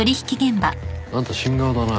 あんた新顔だな